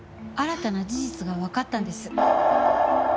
新たな事実がわかったんです。